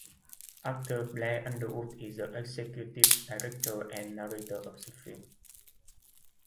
Actor Blair Underwood is the Executive Director and narrator of the film.